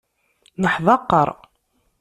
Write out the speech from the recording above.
Neḥdaqer.